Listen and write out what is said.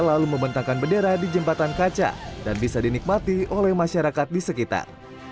lalu membentangkan bendera di jembatan kaca dan bisa dinikmati oleh masyarakat di sekitar